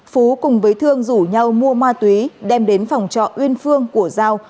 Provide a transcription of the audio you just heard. phú cùng với thương rủ nhau mua ma túy đem đến phòng trọ uyên phương của giao